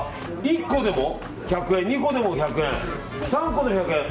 １個でも１００円２個でも１００円３個でも１００円。